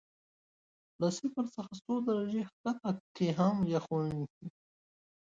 له صفر څخه څو درجې ښکته کې هم یخ ونه نیسي.